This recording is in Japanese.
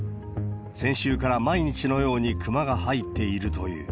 先週から毎日のようにクマが入っているという。